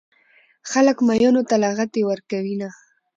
خلک ميينو ته لغتې ورکوينه